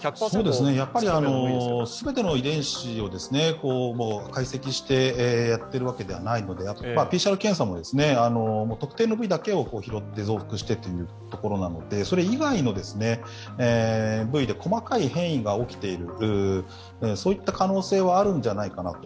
全ての遺伝子を解析してやってるわけではないのでＰＣＲ検査も特定の部位だけを拾って増幅してというところなのでそれ以外の部位で細かい変異が起きている、そういった可能性はあるんじゃないかなと。